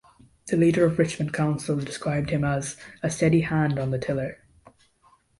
The Leader of Richmond Council described him as "a steady hand on the tiller".